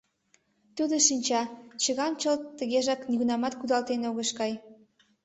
Тудо шинча: чыган чылт тыгежак нигунамат кудалтен огеш кай.